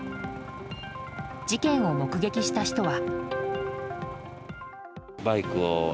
事件を目撃した人は。